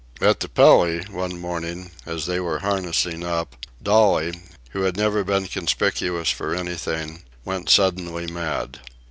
At the Pelly one morning, as they were harnessing up, Dolly, who had never been conspicuous for anything, went suddenly mad.